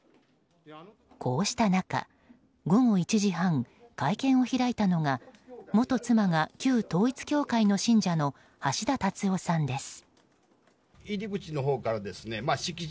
こうした中、午後１時半会見を開いたのが元妻が旧統一教会の信者の橋田達夫さんです。